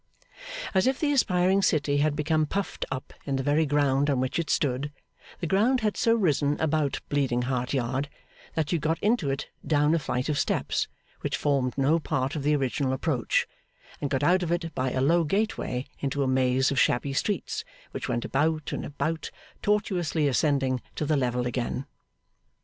As if the aspiring city had become puffed up in the very ground on which it stood, the ground had so risen about Bleeding Heart Yard that you got into it down a flight of steps which formed no part of the original approach, and got out of it by a low gateway into a maze of shabby streets, which went about and about, tortuously ascending to the level again.